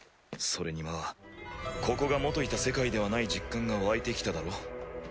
それにまぁここが元いた世界ではない実感が湧いてきただろ？